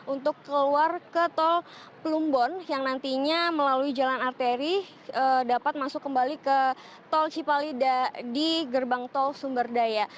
untuk keluar ke tol plumbon yang nantinya melalui jalan arteri dapat masuk kembali ke tol cipalida di gerbang tol sumber daya